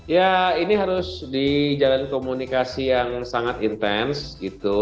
ya ini harus di jalan komunikasi yang sangat intens gitu